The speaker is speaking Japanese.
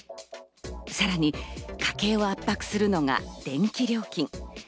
さらに家計を圧迫するのが電気料金。